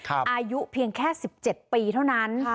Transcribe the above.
อายุเพียงแค่๑๗ปีเท่านั้น